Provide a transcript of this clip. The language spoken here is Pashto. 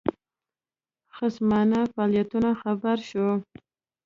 خصمانه فعالیتونو خبر شو.